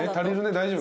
大丈夫？